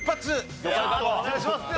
お願いしますよ。